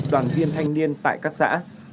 đoàn viên thanh niên tại các xã